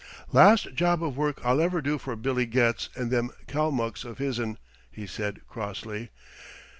"Last job of work I'll ever do for Billy Getz and them Kalmucks of his'n," he said crossly.